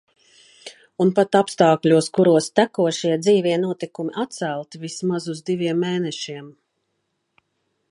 Un pat apstākļos, kuros tekošie, dzīvie notikumi atcelti vismaz uz diviem mēnešiem...